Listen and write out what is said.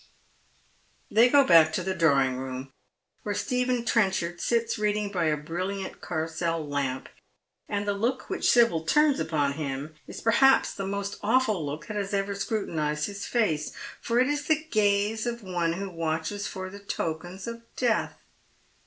_ They go back to the drawing room, where Stephen Trenchard sits reading by a brilHant carcel lamp, and the look wliich Sibyl turns upon him is perhaps the most awful look that has ever sci utinized his face, for it is the gaze of one who watches for the ttrkens of death.